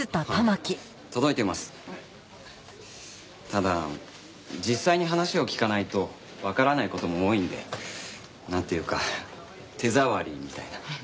ただ実際に話を聞かないとわからない事も多いんで。なんていうか手触りみたいな。